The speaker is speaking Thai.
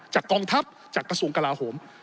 กองทัพจากกระทรวงกลาโหม